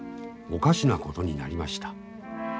おかしなことになりました。